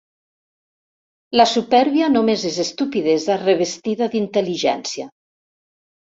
La supèrbia només és estupidesa revestida d'intel·ligència.